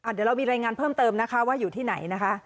เดี๋ยวเรามีรายงานเพิ่มเติมนะคะว่าอยู่ที่ไหนนะคะ